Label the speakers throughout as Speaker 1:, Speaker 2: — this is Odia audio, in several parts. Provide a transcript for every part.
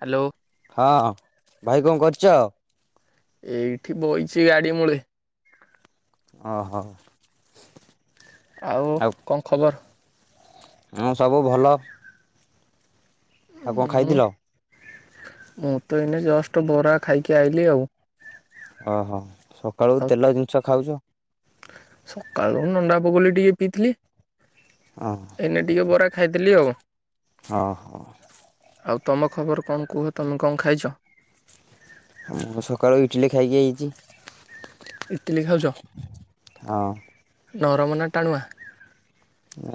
Speaker 1: ହ୍ୟାଲୋ
Speaker 2: ହଁ ଭାଇ କଣ କରିଚ
Speaker 1: ଏଇଠି ବଇଛି ଗାଡ଼ି ମୁଳେ।
Speaker 2: ଓହୋ।
Speaker 1: ଆଉ ଙ୍କ ଖବର।
Speaker 2: ଉଁ ସବୁ ଭଲ। ଆଉ କଣ
Speaker 1: ହଁ
Speaker 2: ଖାଇଥିଲ?
Speaker 1: ମୁଁ ତ ଏଇନେ ଜଷ୍ଟ ବରା ଖାଇକି ଆଇଲିି ଆଉ।
Speaker 2: ଓହୋ ସକାଳୁ
Speaker 1: ଆଉ
Speaker 2: ତେଲ ଜିନିଷ ଖାଉଚ।
Speaker 1: ସକାଳୁ ନଣ୍ଡା ବାଗୁଲି ଟିକେ ପିଇଥିଲି।
Speaker 2: ହଁ।
Speaker 1: ଏଇନା ଟିକେ ବରା ଖାଇଥିଲି ଆଉ।
Speaker 2: ହ ହ।
Speaker 1: ଆଉ ତମ ଖବର କଣ କୁହ ତମେ କଣ ଖାଇଚ?
Speaker 2: ହଁ ସକାଳୁ ଇଟିଲି ଖାଇକି ଆଇଚି।
Speaker 1: ଇଟିଲି ଖାଉଚ,
Speaker 2: ହଁ
Speaker 1: ନରମନା ଟାଣୁଆ?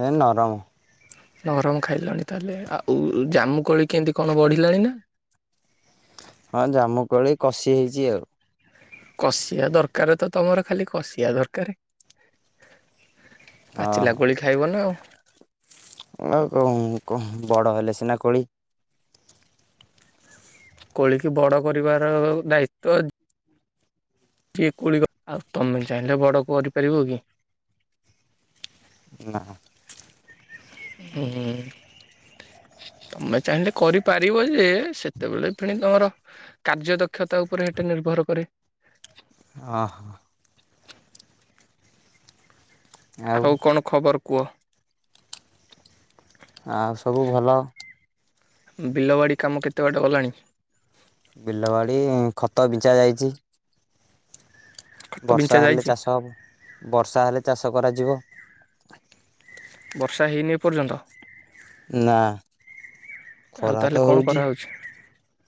Speaker 2: ଏ ନରମ।
Speaker 1: ନରମ ଖାଇଲାଣି ତାହେଲେ ଆଉ ଜାମୁକୋଳି କେମିତି କଣ ବଢ଼ିଲାଣି ନା?
Speaker 2: ହଁ ଜାମୁକୋଳି କଷି ହେଇଚି ଆଉ।
Speaker 1: କଷିଆ ଦରକାର ତ ତମର ଖାଲି କଷିଆ ଦରକାର। ପାଚିଲା କୋଳି ଖାଇବ ନା ଆଉ।
Speaker 2: ଆଉ କ ବଡ଼ ହେଲେ ସିନା କୋଳି।
Speaker 1: କୋଳିକି ବଡ଼ କରିବାର ଦାୟିତ୍ଵ ଟିଏ କୋଳି ଆଉ ତମେ ଚାହିଁଲେ ବଡ଼ କରିପାରିବ କି।
Speaker 2: ନା।
Speaker 1: ହୁଁ। ତମେ ଚାହିଁଲେ କରିପାରିବ ଯେ ସେତେବେଳେ ପିଣି ତମର କାର୍ଯ୍ୟ ଦକ୍ଷତା ଉପରେ ହେଟା ନିର୍ଭର କରେ।
Speaker 2: ହଁ ହ।
Speaker 1: ଆଉ କଣ ଖବର କୁଅ।
Speaker 2: ଆଉ ସବୁ ଭଲ।
Speaker 1: ବିଲବାଡ଼ି କାମ କେତେ ବାଟ ଗଲାଣି?
Speaker 2: ବିଲ ବାଡି ଖତ ବିଞ୍ଚା ଯାଇଚି।
Speaker 1: ଖତ ବିଞ୍ଚା
Speaker 2: ବର୍ଷା ହେଲେ
Speaker 1: ଯାଇଛି
Speaker 2: ଚାଷ ହବ, ବର୍ଷା ହେଲେ ଚାଷ କରାଯିବ।
Speaker 1: ବର୍ଷା ହେଇନି ଏ ପର୍ଯ୍ୟନ୍ତ?
Speaker 2: ନା,
Speaker 1: ଆଉ
Speaker 2: ଖରା
Speaker 1: ତାହେଲେ
Speaker 2: ତ
Speaker 1: କଣ
Speaker 2: ହଉଛି।
Speaker 1: କରାହଉଛି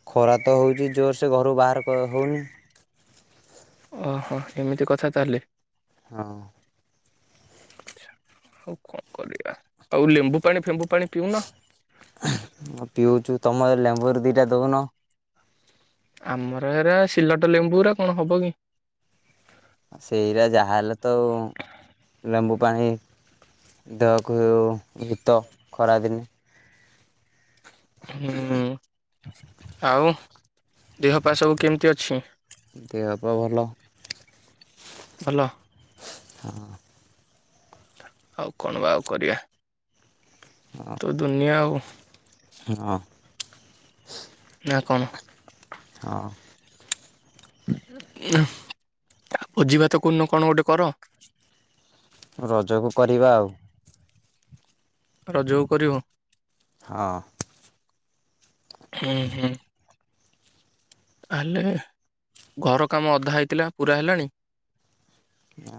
Speaker 2: ଖରା ତ ହୋଉଛି ଜୋରସେ ଘରୁ ବାହାର କ ହଉନି।
Speaker 1: ଓହୋ, ଏମିତି କଥା ତାଲେ।
Speaker 2: ହଁ।
Speaker 1: ଆଉ କଣ କରିବା, ଆଉ ଲେମ୍ବୁ ପାଣି ଫେମ୍ବୁ ପାଣି ପିଉନ।
Speaker 2: ପିଉଚୁ, ତମ ଲେମ୍ବୁରୁ ଦୁଇଟା ଦୋଉନ।
Speaker 1: ଆମର, ହେରା ସିଲଟ ଲେମ୍ବୁରା କଣ ହବ କି।
Speaker 2: ସେଇରା ଯାହାହେଲେ ତ ଲେମ୍ବୁ ପାଣି ଦେହକୁ ହିତ ଖରାଦିନେ।
Speaker 1: ହୁଁ, ଆଉ ଦେହପା ସବୁ କେମିତି ଅଛି?
Speaker 2: ଦେହ ପା ଭଲ।
Speaker 1: ଭଲ।
Speaker 2: ହଁ।
Speaker 1: ଆଉ କଣ ବା ଆଉ କରିବା। ତୋ ଦୁନିଆ ଆଉ।
Speaker 2: ହଁ।
Speaker 1: ନା କଣ?
Speaker 2: ହଁ।
Speaker 1: ଆଉ ଭୋଜି ଭାତ କୋଦିନ କଣ ଗୋଟେ କର।
Speaker 2: ରଜକୁ କରିବା ଆଉ।
Speaker 1: ରଜ କୁ କରିବ?
Speaker 2: ହଁ।
Speaker 1: ହୁଁ--ହୁଁ ତାହେଲେ, ଘର କାମ ଅଧା ହେଇଥିଲା। ପୁରା ହେଲାଣି?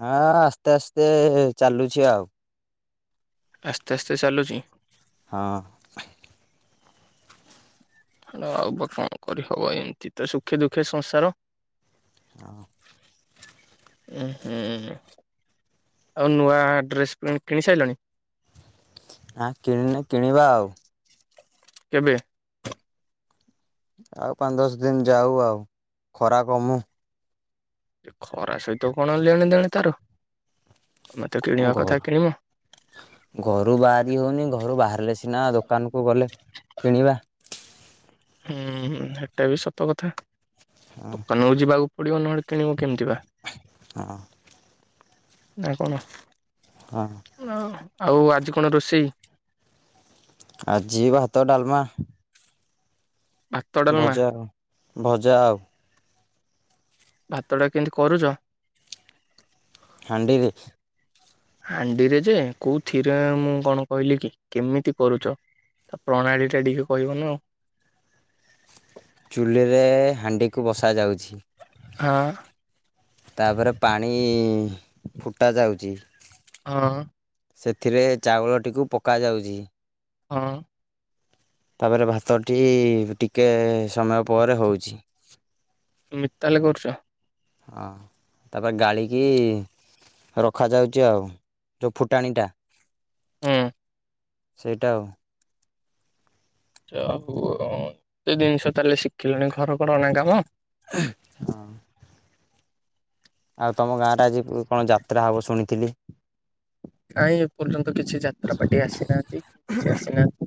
Speaker 2: ହଁ ଆସ୍ତେ, ଆସ୍ତେ ଚାଲୁଛି ଆଉ।
Speaker 1: ଆସ୍ତେ ଆସ୍ତେ ଚାଲୁଛି?
Speaker 2: ହଁ।
Speaker 1: ହେଲୋ ଆଉ ବା କଣ କରିହବ। ଏମିତି ତ ସୁଖେ ଦୁଃଖେ ସଂସାର।
Speaker 2: [unintelligible]
Speaker 1: ଉହୁଁ--ଆଉ ନୂଆ ଡ୍ରେସ ପେଣ୍ଟେ କିଣି ସାରିଲଣି?
Speaker 2: ଆ କିଣିନି କିଣିବା ଆଉ
Speaker 1: କେବେ?
Speaker 2: ଆଉ ପାଞ୍ଚ, ଦଶ ଦିନ ଯାଉ ଆଉ। ଖରା କମୁ।
Speaker 1: ଖରା ସହିତ କଣ ଲେଣେ ଦେଣେ ତାର। ତମେ ତ କିଣିବା କଥା
Speaker 2: ଘରୁ
Speaker 1: କିଣିବ।
Speaker 2: ଘରୁ ବାହାରି ହଉନି। ଘରୁ ବାହାରିଲେ ସିନା ଦୋକାନକୁ ଗଲେ କିଣିବା।
Speaker 1: ହୁଁ ହେଟା ବି ସତ କଥା। ଦୋକାନକୁ ଯିବାକୁ ପଡ଼ିବ। ନହେଲେ କିଣିବୁ କେମିତି ବା।
Speaker 2: ହଁ।
Speaker 1: ନା କଣ?
Speaker 2: ହଁ।
Speaker 1: ଓ ଆଉ ଆଜି କଣ ରୋଷେଇ?
Speaker 2: ଆଜି ଭାତ, ଡାଲମା।
Speaker 1: ବାସ୍
Speaker 2: ଭଜା, ଭଜା ଆଉ।
Speaker 1: ଭାତଟା କେମିତି କରୁଛ?
Speaker 2: ହାଣ୍ଡିରେ।
Speaker 1: ହାଣ୍ଡିରେ ଯେ, କୋଉଥିରେ ମୁଁ କଣ କହିଲି କି। କେମିତି କରୁଛ? ତା ପ୍ରଣାଳୀ ଟା ଟିକେ କହିବନା ଆଉ
Speaker 2: ଚୁଲିରେ ହାଣ୍ଡିକୁ ବସା ଯାଉଛି।
Speaker 1: ହଁ।
Speaker 2: ତାପରେ ପାଣି ଫୁଟା ଯାଉଛି।
Speaker 1: ହଁ।
Speaker 2: ସେଥିରେ ଚାଉଳଟିକୁ ପକାଯାଉଛି।
Speaker 1: ହଁ।
Speaker 2: ତାପରେ ଭାତଟି ଟିକେ ସମୟ ପରେ ହେଉଛି।
Speaker 1: ମିତାଲ କରୁଛ।
Speaker 2: ହଁ ତାପରେ ଗାଳ କି ରଖାଯାଉଛି ଆଉ ଯେଉଁ ଫୁଟାଣିଟା
Speaker 1: ଉଁ।
Speaker 2: ସେଇଟା ଆଉ।
Speaker 1: ଯାହାହଉ ଏତେ ଜିନିଷ ତାହେଲେ ଶିଖିଲେଣି ଘର ଘରଣା କାମ।
Speaker 2: ହଁ। ଆଉ ତୁମ ଗାଁରେ ଆଜି କଣ ଯାତ୍ରା ହେବ ଶୁଣିଥିଲି।
Speaker 1: କାଇଁ ଏପର୍ଯ୍ୟନ୍ତ କିଛି ଯାତ୍ରା ପାଟି ଆସିନାହାନ୍ତି କି କିଛି ଆସିନାହାନ୍ତି।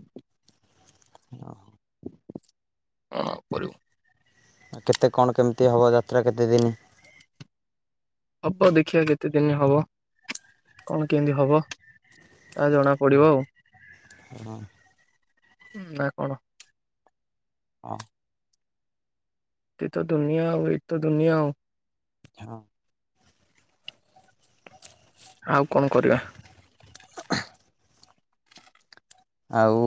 Speaker 2: ଓ
Speaker 1: ହଁ [unintelligible]
Speaker 2: ଆଉ କେତେ କଣ କେମିତି ହବ ଯାତ୍ରା କେତେ ଦିନି?
Speaker 1: ହବ ଦେଖିଆ କେତେ ଦିନି ହବ କଣ କେମିତି ହବ ତା ଜଣା ପଡ଼ିବ ଆଉ ହୁଁ ନା କଣ?
Speaker 2: ହଁ।
Speaker 1: କେଇ ତ ଦୁନିଆ ଆଉ ଏଇଠି ତ ଦୁନିଆ ଆଉ।
Speaker 2: ହଁ।
Speaker 1: ଆଉ କଣ କରିବା?
Speaker 2: ଆଉ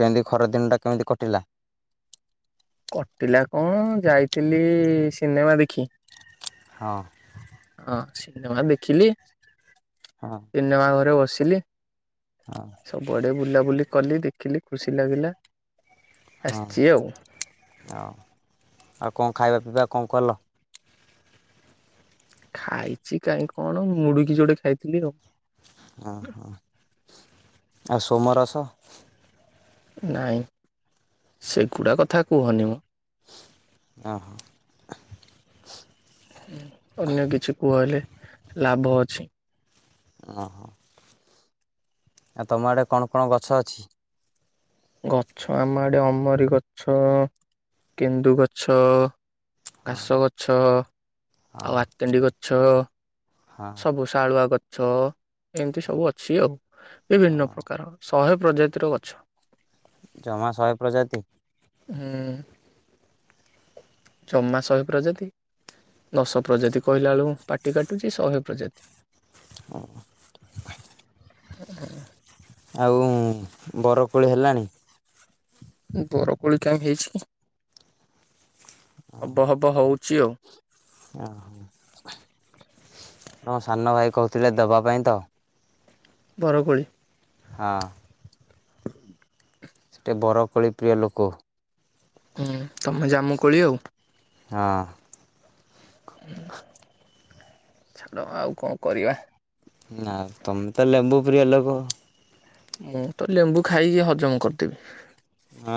Speaker 2: କେମିତି ଖରାଦିନଟା କେମିତି କଟିଲା?
Speaker 1: କଟିଲା କଣ ଯାଇଥିଲି ସିନେମା ଦେଖି।
Speaker 2: ହଁ।
Speaker 1: ହଁ ସିନେମା ଦେଖିଲି।
Speaker 2: ହଁ।
Speaker 1: ସିନେମା ଘରେ ବସିଲି।
Speaker 2: ହଁ।
Speaker 1: ସବୁଆଡ଼େ ବୁଲାବୁଲି କଲି ଦେଖିଲି ଖୁସି ଲାଗିଲା
Speaker 2: ହଁ
Speaker 1: ଆସିଚି ଆଉ।
Speaker 2: ଆଉ ଆଉ କଣ ଖାଇବା ପିଇବା କଣ କଲ?
Speaker 1: ଖାଇଚି କାଇଁ କଣ ମୁଡୁକି ଯୋଡେ ଖାଇଥିଲି ଆଉ।
Speaker 2: ଓ ହୋ ଆଉ ସୋମ ରସ
Speaker 1: ନାଇଁ ସେଗୁଡ଼ା କଥା କୁହନି ମୁଁ।
Speaker 2: ଆ ହ
Speaker 1: ହୁଁ ଅନ୍ୟ କିଛି କୁହ ହେଲେ ଲାଭ ଅଛି।
Speaker 2: ଓହୋ। ଆଉ ତମ ଆଡେ କଣ କଣ ଗଛ ଅଛି?
Speaker 1: ଗଛ ଆମ ଆଡେ ଅମରି ଗଛ, କେନ୍ଦୁ ଗଛ
Speaker 2: ହଁ
Speaker 1: ଘାସ ଗଛ,
Speaker 2: ହଁ
Speaker 1: ଆଉ ଆତଣ୍ଡି ଗଛ।
Speaker 2: ହଁ
Speaker 1: ସବୁ ଶାଳୁଆ ଗଛ ଏମିତି
Speaker 2: ହଁ
Speaker 1: ସବୁ ଅଛି ଆଉ ବିଭିନ୍ନ
Speaker 2: ହଁ
Speaker 1: ପ୍ରକାର। ଶହେ ପ୍ରଜାତିର ଗଛ।
Speaker 2: ଜମା ଶହେ ପ୍ରଜାତି?
Speaker 1: ହୁଁ। ଜମା ଶହେ ପ୍ରଜାତି ଦଶ ପ୍ରଜାତି କହିଲା ବେଳୁକୁ ପାଟି କାଟୁଚି ଶହେ ପ୍ରଜାତି
Speaker 2: ହଁ।
Speaker 1: [unintelligible]
Speaker 2: ଆଉ ବରକୋଳି ହେଲାଣି?
Speaker 1: ବରକୋଳି କାଇଁ ହେଇଛି କି ହବ ହବ ହଉଚି ଆଉ।
Speaker 2: ଓହୋ ତମ ସାନ ଭାଇ କହୁଥିଲେ ଦବା ପାଇଁ ତ।
Speaker 1: ବରକୋଳି।
Speaker 2: ହଁ। ଗୋଟେ ବରକୋଳି ପ୍ରିୟ ଲୋକ।
Speaker 1: ହୁଁ ତମେ ଜାମୁ କୋଳି ଆଉ।
Speaker 2: ହଁ।
Speaker 1: ଛାଡ଼ ଆଉ କଣ କରିବା?
Speaker 2: ନା ତମେ ତ ଲେମ୍ବୁ ପ୍ରିୟ ଲୋକ।
Speaker 1: ମୁଁ ତ ଲେମ୍ବୁ ଖାଇକି ହଜମ କରିଦେବି।
Speaker 2: ହଁ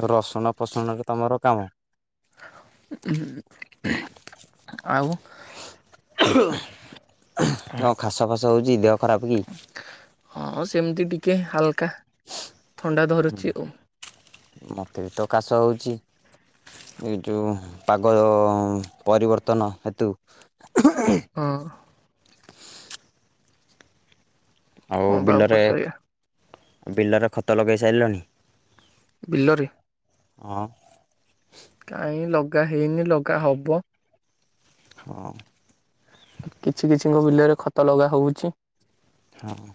Speaker 2: ଆଉ ରସୁଣ ଫସୁଣରେ ତମର କାମ।
Speaker 1: ଆଉ।
Speaker 2: କଣ ଖାସ ଫାସ ହଉଛି ଦେହ ଖରାପ କି?
Speaker 1: ହଁ ସେମିତି ଟିକେ ହାଲକା ଥଣ୍ଡା ଧରୁଛି ଓ।
Speaker 2: ମତେ ବି ତ କାଶ ହୋଉଛି। ଏ ଯୋଉ ପାଗ ପରିବର୍ତ୍ତନ ହେତୁ
Speaker 1: ହୁଁ।
Speaker 2: ଆଉ
Speaker 1: କଣ ବା
Speaker 2: ବିଲରେ
Speaker 1: କରିପାରିବା
Speaker 2: ବିଲରେ ଖତ ଲଗେଇ ସାରିଲଣି?
Speaker 1: ବିଲରେ
Speaker 2: ହଁ।
Speaker 1: କାଇଁ ଲଗା ହେଇନି ଲଗା ହବ।
Speaker 2: ହଁ।
Speaker 1: କିଛି କିଛିଙ୍କ ବିଲରେ ଖତ ଲଗା ହଉଛି।
Speaker 2: ହଁ ହଁ।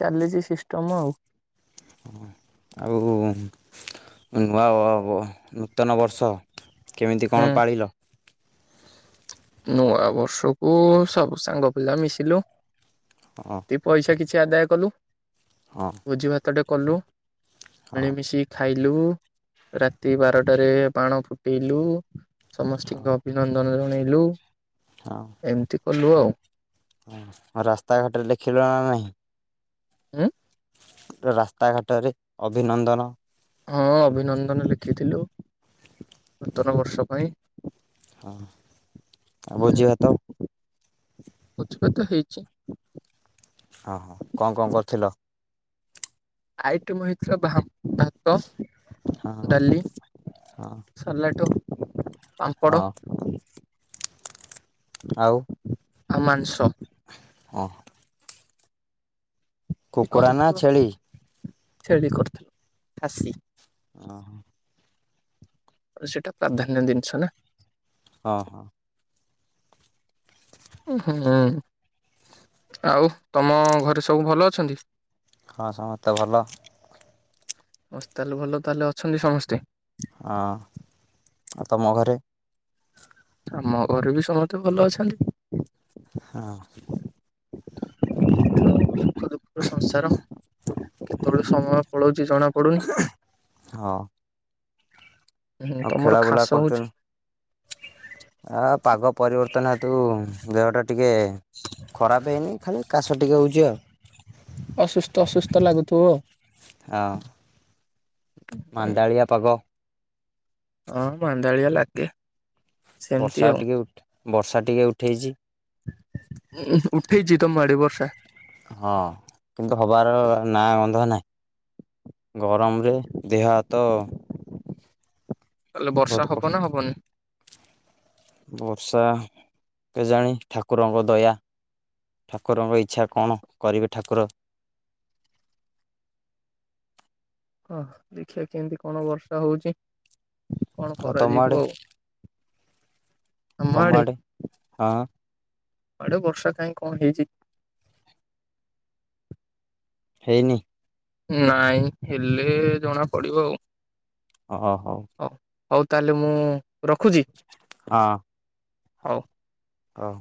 Speaker 1: ଚାଲିଛି ସିଷ୍ଟମ ଆଉ।
Speaker 2: ଆଉ ନୂଆ ନୂତନ ବର୍ଷ କେମିତି
Speaker 1: ହୁଁ
Speaker 2: କଣ ପାଳିଲ?
Speaker 1: ନୂଆ ବର୍ଷକୁ ସବୁ ସାଙ୍ଗ ପିଲା ମିଶିଲୁ।
Speaker 2: ହଁ।
Speaker 1: ଏ ପଇସା କିଛି ଆଦାୟ କଲୁ।
Speaker 2: ହଁ।
Speaker 1: ଭୋଜି ଭାତଟେ କଲୁ
Speaker 2: ହଁ
Speaker 1: ମିଳିମିଶିକି। ଖାଇଲୁ ରାତି ବାରଟାରେ ବାଣ ଫୁଟେଇଲୁ
Speaker 2: ହଁ
Speaker 1: ସମସ୍ତିଙ୍କ ଅଭି ନନ୍ଦନ ଜଣେଇଲୁ।
Speaker 2: ହଁ।
Speaker 1: ଏମିତି କଲୁ ଆଉ।
Speaker 2: ରାସ୍ତାଘାଟରେ ଲେଖିଲ ନା ନାହିଁ।
Speaker 1: ଉଁ।
Speaker 2: ପୁରା ରାସ୍ତା ଘାଟରେ ଅଭିନନ୍ଦନ
Speaker 1: ହଁ ଅଭିନନ୍ଦନ ଲେଖିଥିଲୁ ନୂତନ ବର୍ଷ ପାଇଁ।
Speaker 2: ହଁ ଆଉ ଭୋଜି ଭାତ?
Speaker 1: ଭୋଜି ଭାତ ହେଇଚି।
Speaker 2: ହଁ ହଁ କଅଁ କଅଁ କରିଥିଲ?
Speaker 1: ଆଇଟମ୍ ହେଇଥିଲା ଭାଭାତ
Speaker 2: ହଁ
Speaker 1: ଡାଲି
Speaker 2: ହଁ
Speaker 1: ସାଲଟ ପାମ୍ପଡ଼
Speaker 2: ହଁ ଆଉ।
Speaker 1: ମାଂଆଉ ମାଛ, ମାଂସ
Speaker 2: ଓହୋ।
Speaker 1: ସେ
Speaker 2: କୁକୁଡ଼ା ନା
Speaker 1: କରିଥିଲ
Speaker 2: ଛେଳି
Speaker 1: ଛେଳି କରୁଥିଲୁ ଖାସି।
Speaker 2: ହୁଁ'।
Speaker 1: ସେଇଟା ପ୍ରାଧାନ୍ୟ ଜିନିଷ ନା?
Speaker 2: ହଁ ହଁ।
Speaker 1: ହୁଁ ଆଉ ତମ ଘରେ ସବୁ ଭଲ ଅଛନ୍ତି?
Speaker 2: ହଁ ସମସ୍ତେ ଭଲ।
Speaker 1: ଓସ୍ତାଲୁ ଭଲ ତାହେଲେ ଅଛନ୍ତି ସମସ୍ତେ?
Speaker 2: ହଁ, ଆଉ ତୋମ ଘରେ?
Speaker 1: ଆମ ଘରେ ବି ସମସ୍ତେ ଭଲ ଅଛନ୍ତି।
Speaker 2: ହଁ।
Speaker 1: ଅ, ସଂସାର କେତେବେଳେ ସମୟ ପଳଉଛି ଜଣା ପଡୁନି।
Speaker 2: ହଁ
Speaker 1: ହୁଁ,
Speaker 2: ଆଉ
Speaker 1: ତୋମର
Speaker 2: ଖେଳା ବୁଲା
Speaker 1: ଖାସ ହଉଛି?
Speaker 2: କରୁଛନ୍ତି ଆ, ପାଗ ପରିବର୍ତ୍ତନ ହେତୁ ଦେହ ଟା ଟିକେ ଖରାପ ହେଇନି ଖାଲି କାଶ ଟିକେ ହଉଛି ଆଉ।
Speaker 1: ଓ ଅସୁସ୍ଥ ଅସୁସ୍ଥ ଲାଗୁଥିବ।
Speaker 2: ହଁ। ମାନ୍ଦାଳିଆ ପାଗ।
Speaker 1: ହଁ ମାନ୍ଦାଳିଆ ଲାଗେ। ସେମିତି
Speaker 2: ବର୍ଷା
Speaker 1: ଆଉ।
Speaker 2: ଟିକେ ଉଠ ବର୍ଷା ଟିକେ ଉଠେଇଛି।
Speaker 1: ଉଁ, ହୁଁ, ଉଠେଇଛି ତୋମ ଆଡେ ବର୍ଷା?
Speaker 2: ହଁ କିନ୍ତୁ ହବାର ନାଁ ଗନ୍ଧ ନାହିଁ। ଗରମରେ ଦେହ ହାତ
Speaker 1: ତାହେଲେ
Speaker 2: ବହୁତ
Speaker 1: ବର୍ଷା
Speaker 2: କ
Speaker 1: ହବ ନା ହବନି?
Speaker 2: ବର୍ଷା କେଜାଣି ଠାକୁରଙ୍କ ଦୟା। ଠାକୁରଙ୍କ ଇଚ୍ଛା କଣ କରିବେ ଠାକୁର।
Speaker 1: ଓ ଦେଖିଆ କେମିତି କଣ ବର୍ଷା ହଉଛି, କଣ
Speaker 2: ଆଉ ତମ ଆଡ଼େ
Speaker 1: କରାଯିବ। ଆମ
Speaker 2: ତୋମ
Speaker 1: ଆଡେ
Speaker 2: ଆଡ଼େ ହଁ?
Speaker 1: ଆଡେ ବର୍ଷା କାହିଁ କଣ ହେଇଛି।
Speaker 2: ହେଇନି।
Speaker 1: ନାଇଁ ହେଲେ ଜଣା ପଡିବ ଆଉ।
Speaker 2: ଓ ହଉ।
Speaker 1: ଓ, ହଉ ତାହେଲେ ମୁଁ ରଖୁଛି?
Speaker 2: ହଁ।
Speaker 1: ହଉ।
Speaker 2: ଓ ହୋ।